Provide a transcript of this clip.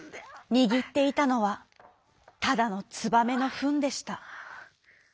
にぎっていたのはただのつばめのふんでした。